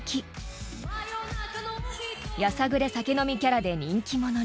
［やさぐれ酒飲みキャラで人気者に］